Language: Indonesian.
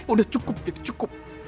udah cukup fir cukup